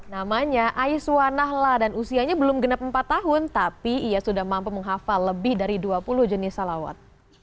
namanya aiswa nahla dan usianya belum genap empat tahun tapi ia sudah mampu menghafal lebih dari dua puluh jenis salawat